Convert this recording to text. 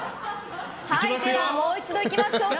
ではもう一度行きましょうか。